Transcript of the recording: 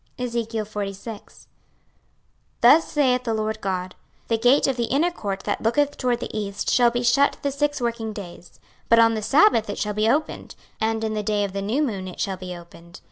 26:046:001 Thus saith the Lord GOD; The gate of the inner court that looketh toward the east shall be shut the six working days; but on the sabbath it shall be opened, and in the day of the new moon it shall be opened.